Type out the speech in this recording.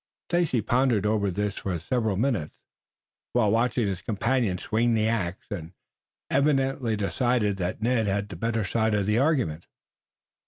Stacy pondered over this for several moments while watching his companion swing the axe, and evidently decided that Ned had the better side of the argument.